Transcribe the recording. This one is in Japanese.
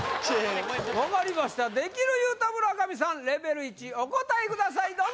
分かりましたできる言うた村上さんレベル１お答えください